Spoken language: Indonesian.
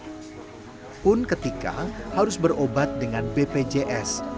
di kampung ramadhan mengunjungi satu kabinan berikan obat dengan bpjs